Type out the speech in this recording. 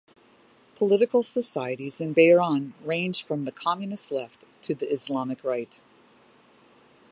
Political societies in Bahrain range from the Communist Left to the Islamist Right.